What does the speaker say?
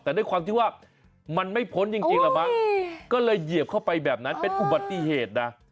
แต่ด้วยความที่ว่ามันไม่พ้นจริงแล้วมั้งก็เลยเหยียบเข้าไปแบบนั้นเป็นอุบัติเหตุนะ